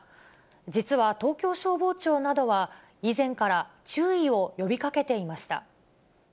実は東京消防庁などは、以前から注意を呼びかけていました。